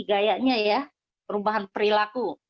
gaya nya ya perubahan perilaku